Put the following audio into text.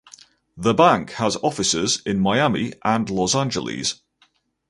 The bank has offices in Miami and Los Angeles.